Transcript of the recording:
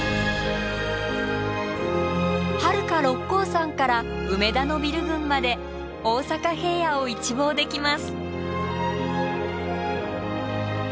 はるか六甲山から梅田のビル群まで大阪平野を一望できます。